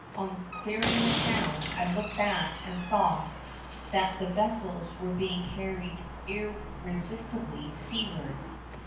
On clearing the town, I looked back and saw that the vessels were being carried irresistibly seawards.